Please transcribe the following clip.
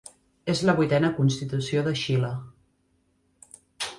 És la vuitena Constitució de Xile.